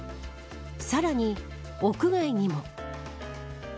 さらに、屋外にも。